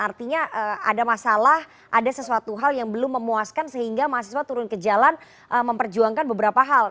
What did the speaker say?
artinya ada masalah ada sesuatu hal yang belum memuaskan sehingga mahasiswa turun ke jalan memperjuangkan beberapa hal